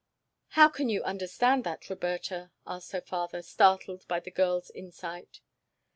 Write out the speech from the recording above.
"How can you understand that, Roberta?" asked her father, startled by the girl's insight.